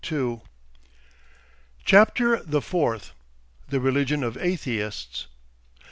CHAPTER THE FOURTH THE RELIGION OF ATHEISTS 1.